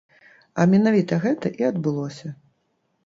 А менавіта гэта і адбылося.